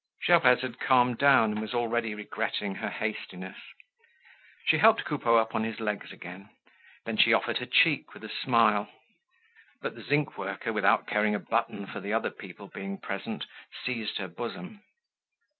Gervaise had calmed down and was already regretting her hastiness. She helped Coupeau up on his legs again. Then she offered her cheek with a smile. But the zinc worker, without caring a button for the other people being present, seized her bosom.